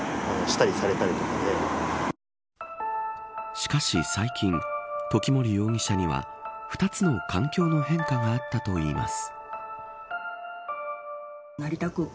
しかし最近時森容疑者には２つの環境の変化があったといいます。